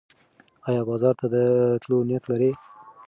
ایا بازار ته د تلو نیت لرې؟